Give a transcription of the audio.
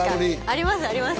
ありますあります